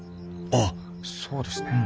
ああそうですね。